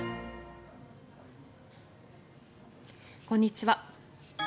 こんにちは。